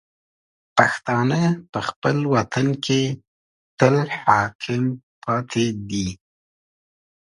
پښتانه په خپل وطن کې تل حاکم پاتې دي.